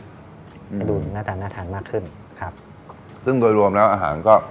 ดูหน้าตาน่าทานมากขึ้นครับซึ่งโดยรวมแล้วอาหารก็